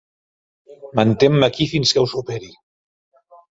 Mantén-me aquí fins que ho superi.